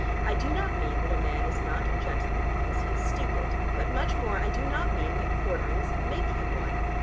I do not mean that a man is not a gentleman because he is stupid, but much more I do not mean that quarterings make him one.